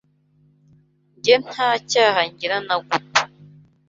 Jye nta cyaha ngira na guto